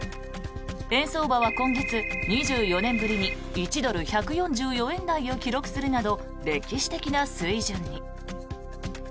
円相場は今月、２４年ぶりに１ドル＝１４４円台を記録するなど歴史的な水準に。